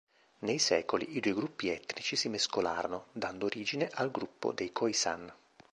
Nei secoli, i due gruppi etnici si mescolarono, dando origine al gruppo dei Khoisan.